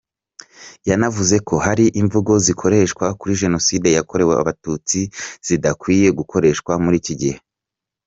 Yanavuze ko hari imvugo zigikoreshwa kuri Jenoside yakorewe abatutsi zidakwiye gukoreshwa muri iki gihe.